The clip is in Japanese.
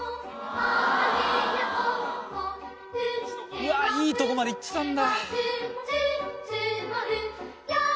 うわあいいとこまでいってたんだ。